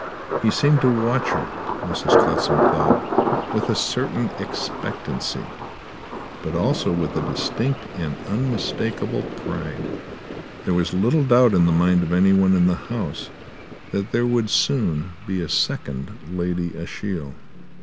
He seemed to watch her, Mrs. Clutsam thought, with a certain expectancy; but also with a distinct and unmistakable pride. There was little doubt in the mind of anyone in the house that there would soon be a second Lady Ashiel.